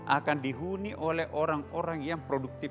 akan dihuni oleh orang orang yang produktif